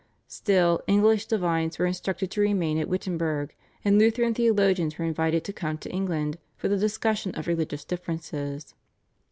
Still, English divines were instructed to remain at Wittenberg, and Lutheran theologians were invited to come to England for the discussion of religious differences.